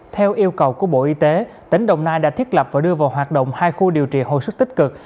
theo yêu cầu của bộ y tế tỉnh đồng nai đã thiết lập và đưa vào hoạt động hai khu điều trị hồi sức tích cực